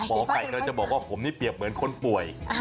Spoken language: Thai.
หมอไก่เราจะบอกว่าผมนี่เปรียบเหมือนคนป่วย